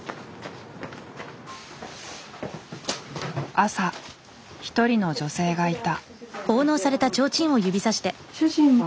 朝一人の女性がいた。